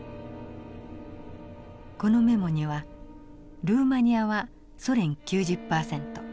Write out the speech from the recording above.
このメモにはルーマニアはソ連９０パーセント。